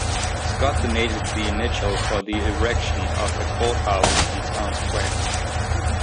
Scott donated the initial for the erection of a courthouse and town square.